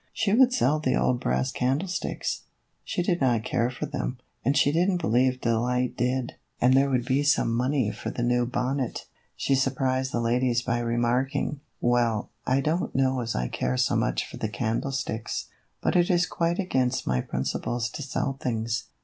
She would sell the old brass candlesticks ; she did not care for them, and she did n't believe Delight did ; and there would be some money for the new bonnet. She surprised the ladies by remarking, " Well, I don't know as I care so much for the candlesticks, but it is quite against my principles to sell things.